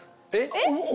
えっ？